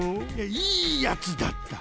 いやいいやつだった！